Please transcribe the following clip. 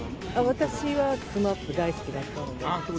私はＳＭＡＰ大好きだったので。